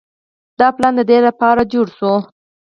دا پلان د دې لپاره جوړ شوی